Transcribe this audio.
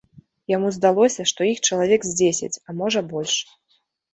Яму здалося, што іх чалавек з дзесяць, а можа, больш.